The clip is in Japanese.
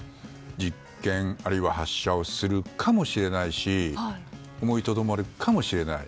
実験、あるいは発射をするかもしれないし思いとどまるかもしれない。